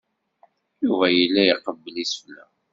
Yuba yella iqebbel isefla.